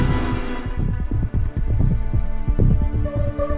tidak kita harus ke dapur